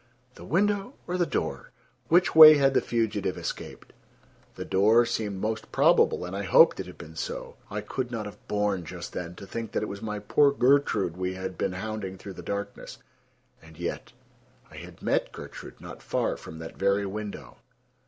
The window or the door? Which way had the fugitive escaped? The door seemed most probable, and I hoped it had been so. I could not have borne, just then, to think that it was my poor Gertrude we had been hounding through the darkness, and yet—I had met Gertrude not far from that very window.